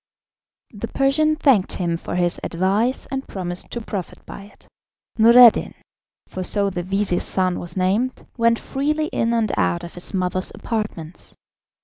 The Persian thanked him for his advice, and promised to profit by it. Noureddin for so the vizir's son was named went freely in and out of his mother's apartments.